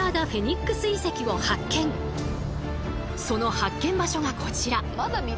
その発見場所がこちら。